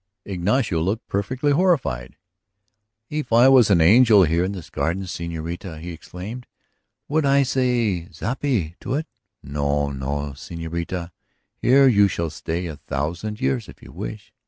Ignacio looked properly horrified. "If I saw an angel here in the garden, señorita," he exclaimed, "would I say zape to it? No, no, señorita; here you shall stay a thousand years if you wish.